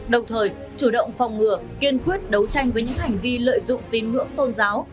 đồng thời chủ động phòng ngừa kiên quyết đấu tranh với những hành vi lợi dụng tin ngưỡng tôn giáo